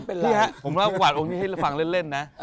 นี่ฮะผมว่ากวาดองค์นี้ให้ฟังเล่นนะ